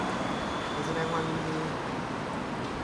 การแสดงความยินดี